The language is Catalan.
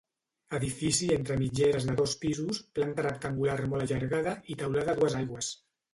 Edifici entre mitgeres de dos pisos, planta rectangular molt allargada i teulada a dues aigües.